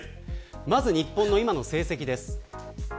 まず、日本の今の成績です。